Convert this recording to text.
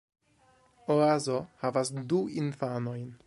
Oazo havas du infanojn.